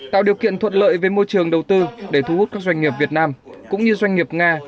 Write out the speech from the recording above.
tạo điều kiện thuận lợi về môi trường đầu tư để thu hút các doanh nghiệp việt nam cũng như doanh nghiệp nga